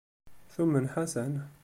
Tumen Ḥasan.